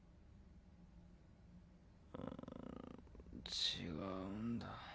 ん違うんだ。